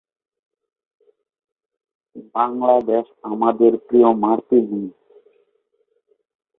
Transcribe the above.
Cambodia, Thailand, Philippines, Maldives এবং শ্রীলঙ্কার মতো বিশ্বের অনেক দেশেই নারকেল খোলার শিল্পকলায় নৈপুণ্য প্রয়োগ করার প্রচলন রয়েছে।